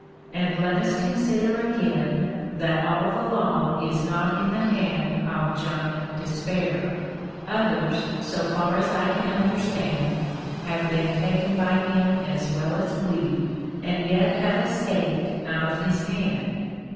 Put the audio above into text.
And let us consider again, that all the Law is not in the hand of Giant Despair. Others, so far as I can understand, have been taken by him as well as we, and yet have escaped out of his hand.